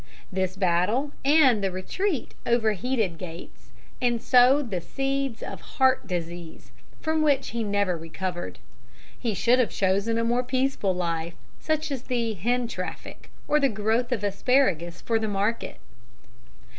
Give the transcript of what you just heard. This battle and the retreat overheated Gates and sowed the seeds of heart disease, from which he never recovered. He should have chosen a more peaceful life, such as the hen traffic, or the growth of asparagus for the market.